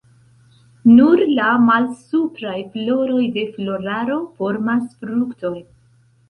Nur la malsupraj floroj de floraro formas fruktojn.